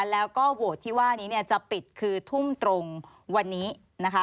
แล้วก็โหวตที่ว่านี้เนี่ยจะปิดคือทุ่มตรงวันนี้นะคะ